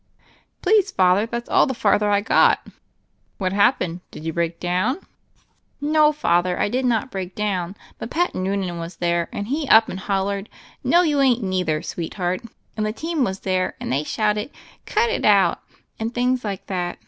"Please, Father, that's all the farther I got." "What happened? Did you break down?" 171 lyt THE FAIRY OF THE SNOWS TSfo, Father, I did not break down, but Pat Noonan was there, and he up and hollered, 'No you ain't neither, sweetheart,' and the team was there and they shouted, *Cut it out,* and things like that.